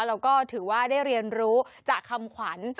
แล้วก็ถือว่าได้เรียนรู้จากคำขวัญ